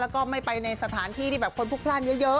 แล้วก็ไม่ไปในสถานที่ที่แบบคนพลุกพลาดเยอะ